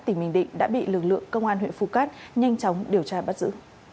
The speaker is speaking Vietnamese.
tỉnh bình định đã bị lực lượng công an huyện phù cát nhanh chóng điều tra bắt giữ